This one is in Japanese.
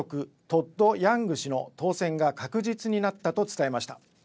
トッド・ヤング氏の当選が確実になったと伝えました。